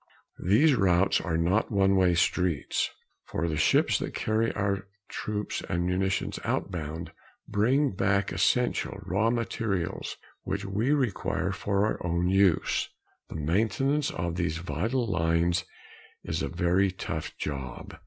These routes are not one way streets, for the ships that carry our troops and munitions outbound bring back essential raw materials which we require for our own use. The maintenance of these vital lines is a very tough job.